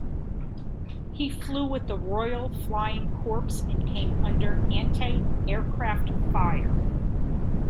He flew with the Royal Flying Corps and came under anti-aircraft fire.